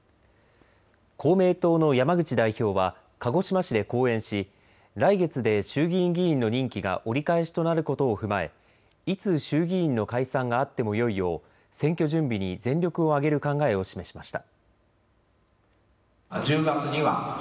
公明党の山口代表は鹿児島市で講演し来月で衆議院議員の任期が折り返しとなることを踏まえいつ衆議院の解散があってもよいよう選挙準備に全力を挙げる考えを示しました。